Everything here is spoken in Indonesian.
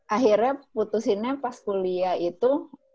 akhirnya putusinnya pas kuliah itu